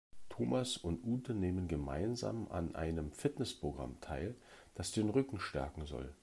Thomas und Ute nehmen gemeinsam an einem Fitnessprogramm teil, das den Rücken stärken soll.